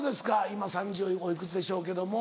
今３０おいくつでしょうけども。